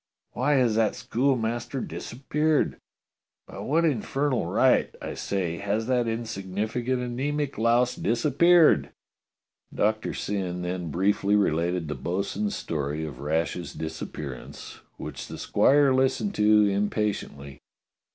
Why has that schoolmaster disappeared? By what in fernal right, I say, has that insignificant anaemic louse disappeared?" Doctor Syn then briefly related the bo'sun's story of Rash's disappearance, which the squire listened to im patiently.